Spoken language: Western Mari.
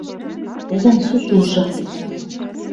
Тӹдӹн сусужы